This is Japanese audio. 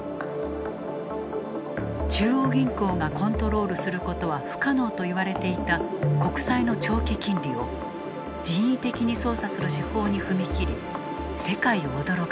中央銀行がコントロールすることは不可能と言われていた国債の長期金利を人為的に操作する手法に踏み切り世界を驚かせた。